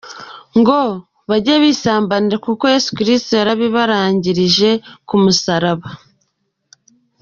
Ngo bajye bisambanira kuko Yesu Kristo yarabirangije ku musaraba.